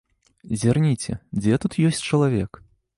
Зірніце, дзе тут ёсць чалавек?